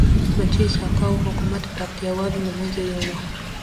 بچه سقاو حکومت پکتيا والو لمنځه یوړ